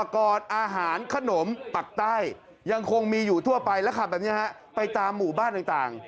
ขนมปักใต้ยังคงมีอยู่ทั่วไปราคาแบบนี้ไปตามหมู่บ้านต่าง